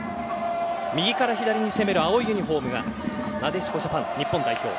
右から左に攻める青いユニホームがなでしこジャパン、日本代表。